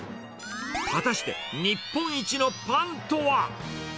果たして、日本一のパンとは。